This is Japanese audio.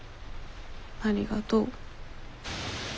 ありがとう。